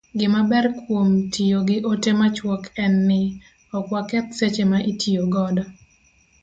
Gimaber kuom tiyo gi ote machuok en ni, ok waketh seche ma itiyo godo